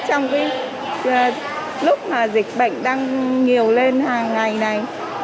trong cái lúc mà dịch bệnh đang nhiều lên hàng ngày này